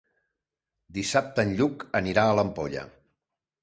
Dissabte en Lluc anirà a l'Ampolla.